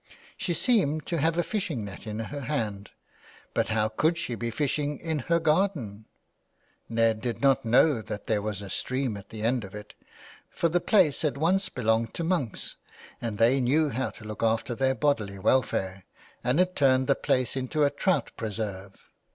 She seemed to have a fishing net in her hand. But how could she be fishing in her garden ? Ned did not know that there was a stream at the end of it ; for the place had once belonged to monks, and they knew how to look after their bodily welfare and had turned the place into a trout preserve.